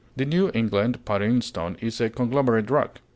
The New England pudding stone is a conglomerate rock.